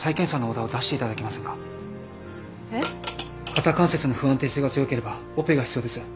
肩関節の不安定性が強ければオペが必要です。